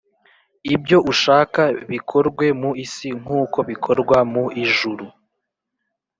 Ibyo ushaka bikorwe mu isi nk uko bikorwa mu ijuru